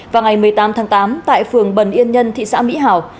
và ngày một mươi tám tháng tám tại phường bần yên nhân thị xã mỹ hảo